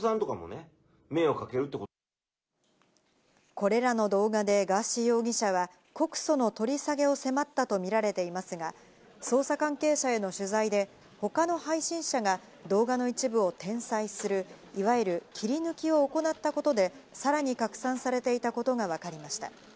これらの動画でガーシー容疑者は告訴の取り下げを迫ったとみられていますが、捜査関係者への取材で他の配信者が動画の一部を転載する、いわゆる切り抜きを行ったことで、さらに拡散されていたことがわかりました。